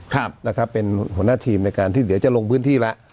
ครับนะครับเป็นหัวหน้าทีมในการที่เดี๋ยวจะลงพื้นที่แล้ว